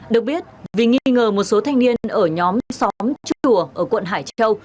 được biết vì nghi ngờ một số thanh niên ở nhóm xóm chùa ở quận hải châu